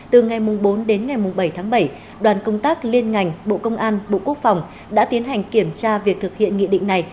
từ ngày bốn đến ngày bảy tháng bảy đoàn công tác liên ngành bộ công an bộ quốc phòng đã tiến hành kiểm tra việc thực hiện nghị định này